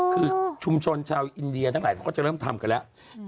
คือชุมชนชาวอินเดียทั้งหลายเขาก็จะเริ่มทำกันแล้ว